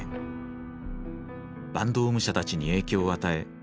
坂東武者たちに影響を与え